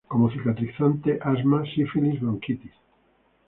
Como cicatrizante, asma, sífilis, bronquitis.